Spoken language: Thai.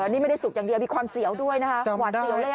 นี่ไม่ได้สุกอย่างเดียวมีความเสียวด้วยนะคะหวาดเสียวเลย